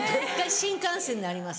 新幹線であります